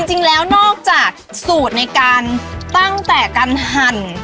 จริงแล้วนอกจากสูตรในการตั้งแต่การหั่น